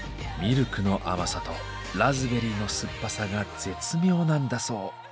ミルクの甘さとラズベリーの酸っぱさが絶妙なんだそう。